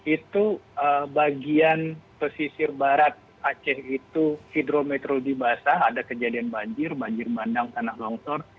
itu bagian pesisir barat aceh itu hidrometeorologi basah ada kejadian banjir banjir bandang tanah longsor